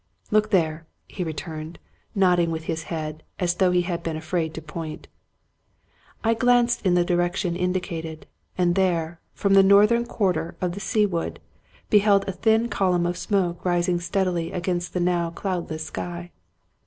" Look there," he returned, nodding with his head, as though he had been afraid to point. I glanced in the direction indicated; and there, from the northern quarter of the Sea Wood, beheld a thin column of smoke rising steadily against the now cloudless sky.